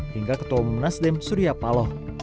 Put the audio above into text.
hingga ketua umum nasdem surya paloh